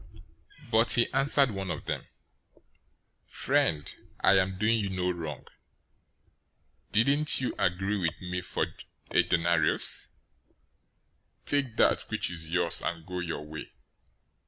020:013 "But he answered one of them, 'Friend, I am doing you no wrong. Didn't you agree with me for a denarius? 020:014 Take that which is yours, and go your way.